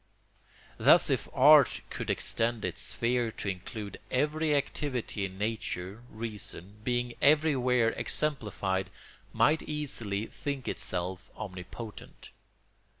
Thus if art could extend its sphere to include every activity in nature, reason, being everywhere exemplified, might easily think itself omnipotent.